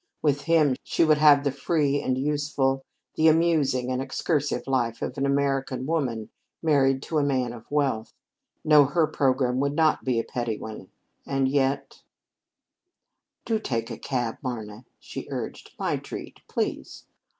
With him she would have the free and useful, the amusing and excursive life of an American woman married to a man of wealth. No, her programme would not be a petty one and yet "Do take a cab, Marna," she urged. "My treat! Please."